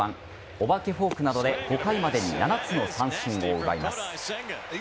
お化けフォークなどで５回までに７つの三振を奪います。